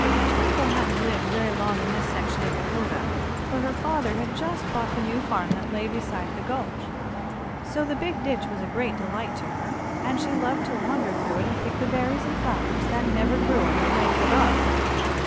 Twinkle hadn't lived very long in this section of Dakota, for her father had just bought the new farm that lay beside the gulch. So the big ditch was a great delight to her, and she loved to wander through it and pick the berries and flowers that never grew on the plains above.